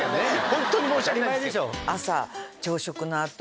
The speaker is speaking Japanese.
ホントに申し訳ない。